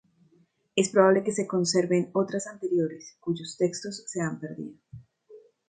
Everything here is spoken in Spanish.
Es probable que se conserven otras anteriores cuyos textos se han perdido.